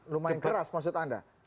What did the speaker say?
lumayan keras maksud anda